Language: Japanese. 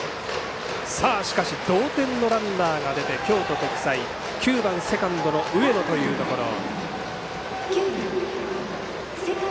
しかし、同点のランナーが出て京都国際９番セカンドの上野というところ。